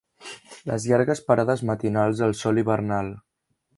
Les llargues parades matinals al sol hivernal